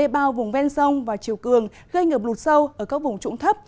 bao vùng ven sông và chiều cường gây ngập lụt sâu ở các vùng trụng thấp